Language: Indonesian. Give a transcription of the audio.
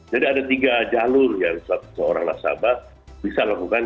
jadi ada tiga jalur yang seorang nasabah bisa lakukan